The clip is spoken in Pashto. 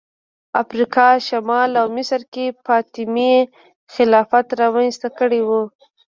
افریقا شمال او مصر کې فاطمي خلافت رامنځته کړی و